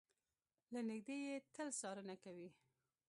له نږدې يې تل څارنه کوي.